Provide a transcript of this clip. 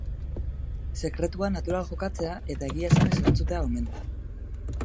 Sekretua natural jokatzea eta egia esanez erantzutea omen da.